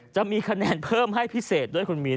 จะมีคะแนนเพิ่มให้พิเศษด้วยคุณมิ้น